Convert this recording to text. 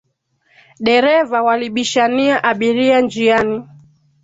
Dereva walibishania abiria njiani